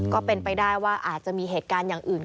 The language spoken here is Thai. ก็เป็นไปได้ว่าอาจจะมีเหตุการณ์อย่างอื่น